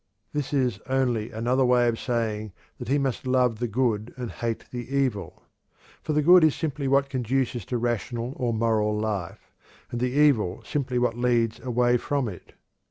This is only another way of saying that he must love the good and hate the evil; for the good is simply what conduces to rational or moral life, and the evil simply what leads away from it.